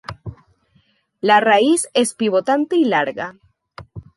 La raíz es pivotante y larga.